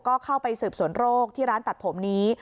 ก็เข้าไปสืบสวนโรคที่ร้านตัดผมนี้